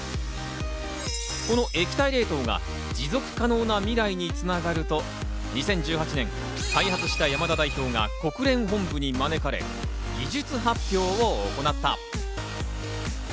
この液体冷凍が持続可能な未来に繋がると２０１８年、開発した山田代表が国連本部に招かれ、技術発表を行った。